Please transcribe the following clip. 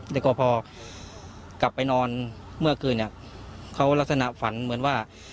แต่ก็พอกลับไปนอนเมื่อคืนเนี่ยเขาลักษณะฝันเหมือนว่า